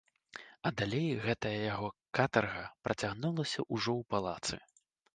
А далей гэтая яго катарга працягнулася ўжо ў палацы.